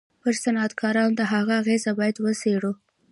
پر صنعتکارانو د هغه اغېز بايد و څېړو.